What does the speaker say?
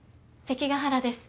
関ヶ原です。